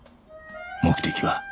目的は？